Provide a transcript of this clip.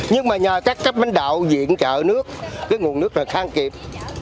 nhưng mà nhờ các các bánh đạo diện trợ nước cái nguồn nước này khang kịp